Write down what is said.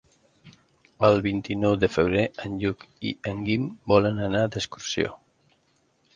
El vint-i-nou de febrer en Lluc i en Guim volen anar d'excursió.